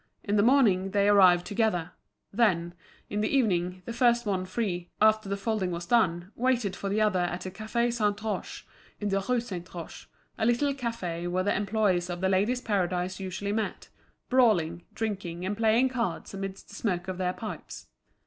In the morning they arrived together; then, in the evening, the first one free, after the folding was done, waited for the other at the Café Saint Roch, in the Rue Saint Roch, a little café where the employees of The Ladies' Paradise usually met, brawling, drinking, and playing cards amidst the smoke of their pipes.